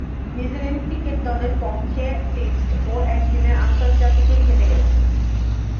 New Zealand cricket দলের পক্ষে test ও একদিনের আন্তর্জাতিকে খেলছেন।